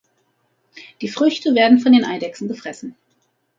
Die Früchte werden von den Eidechsen gefressen.